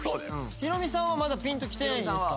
ヒロミさんはまだピンときてないんですか？